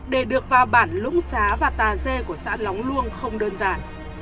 để được vào bản lũng xá và tà dê của xã lóng luông không đơn giản